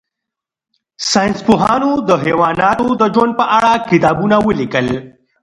ساینس پوهانو د حیواناتو د ژوند په اړه کتابونه ولیکل.